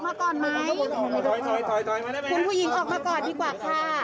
คำนวณเจอยังไหมครับคำนวณเจอยังไหมครับ